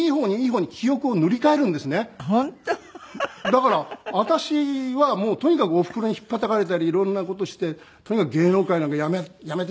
だから私はもうとにかくおふくろに引っぱたかれたりいろんな事して「とにかく芸能界なんかやめてしまえ！」